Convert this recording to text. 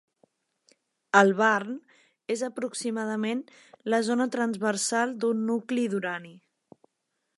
El barn és aproximadament la zona transversal d'un nucli d'urani.